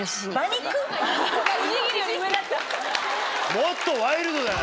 もっとワイルドだな。